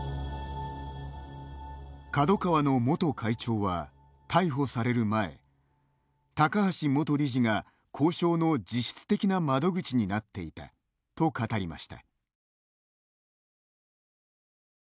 ＫＡＤＯＫＡＷＡの元会長は逮捕される前「高橋元理事が、交渉の実質的な窓口になっていた」と語りました。